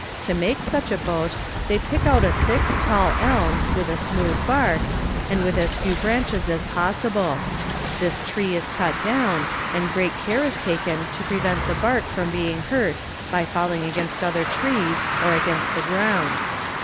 To make such a boat, they pick out a thick, tall elm, with a smooth bark, and with as few branches as possible. This tree is cut down, and great care is taken to prevent the bark from being hurt by falling against other trees, or against the ground.